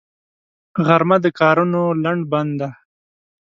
غرمه د کارونو لنډ بند دی